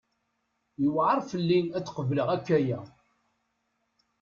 Yuɛer fell-i ad qableɣ akk aya!